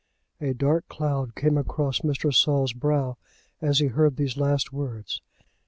A dark cloud came across Mr. Saul's brow as he heard these last words.